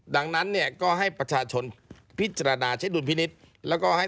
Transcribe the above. ดังนั้นเนี่ยก็ให้ประชาชนพิจารณาใช้ดุลพินิษฐ์แล้วก็ให้